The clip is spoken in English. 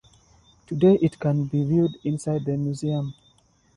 Today it can be viewed inside the museum.